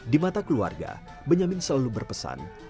di mata keluarga benyamin selalu berpesan